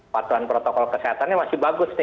patuhan protokol kesehatannya masih bagus